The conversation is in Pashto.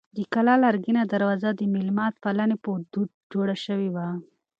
د کلا لرګینه دروازه د مېلمه پالنې په دود جوړه شوې وه.